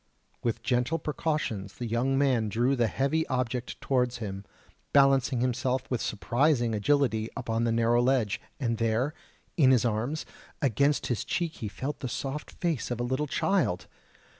With gentle precautions the young man drew the heavy object towards him, balancing himself with surprising agility upon the narrow ledge ... and there, in his arms, against his cheek he felt the soft face of a little child!...